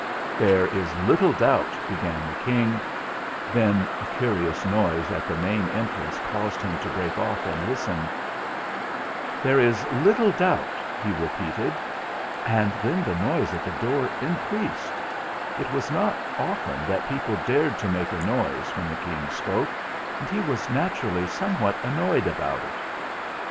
'There is little doubt " began the King; then a curious noise at the main entrance caused him to break off and listen. "There is little doubt " he repeated; and 290 THE FLINT HEART then the noise at the door increased. It was not often that people dared to make a noise when the King spoke, and he was naturally somewhat annoyed about it.